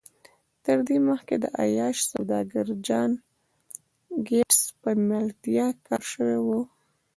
تر دې مخکې د عیاش سوداګر جان ګیټس په ملتیا کار شوی و